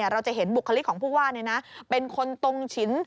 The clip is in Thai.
เราจะเห็นบุคลิกของผู้ว่าเป็นคนตรงฉิน